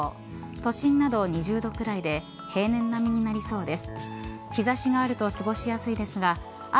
都心など２０度くらいで平年並みになりそうです。